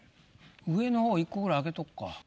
上の方１個ぐらい開けとこか。